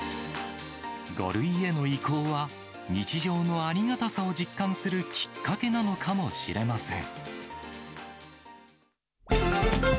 ５類への移行は、日常のありがたさを実感するきっかけなのかもしれません。